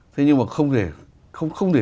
thế nhưng mà không thể